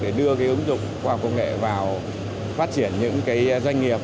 để đưa cái ứng dụng khoa công nghệ vào phát triển những cái doanh nghiệp